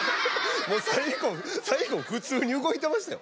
もう最後最後普通に動いてましたよ。